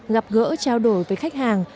gặp gỡ trao đổi với khách hàng